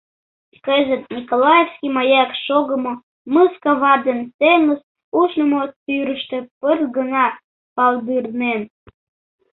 Кызыт Николаевский маяк шогымо мыс кава ден теҥыз ушнымо тӱрыштӧ пырт гына палдырнен.